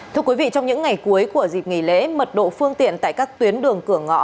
trong những ngày cuối của dịp nghỉ lễ mật độ phương tiện tại các tuyến đường cửa ngõ